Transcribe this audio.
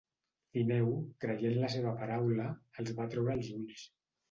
Fineu, creient la seva paraula, els va treure els ulls.